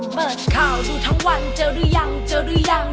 เปิดข่าวดูทั้งวันเจอหรือยังเจอหรือยัง